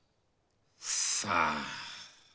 さあ。